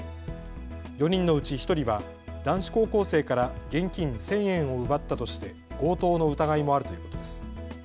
４人のうち１人は男子高校生から現金１０００円を奪ったとして強盗の疑いもあるということです。